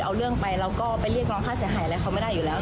เอาเรื่องไปเราก็ไปเรียกร้องค่าเสียหายอะไรเขาไม่ได้อยู่แล้ว